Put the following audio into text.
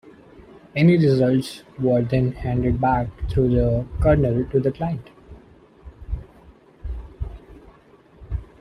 Any results were then handed back through the kernel to the client.